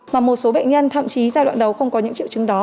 mà một số bệnh nhân thậm chí giai đoạn đầu không có những triệu chứng đó